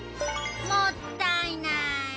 もったいない！